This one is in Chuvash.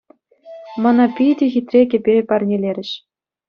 Мана питӗ хитре кӗпе парнелерӗҫ.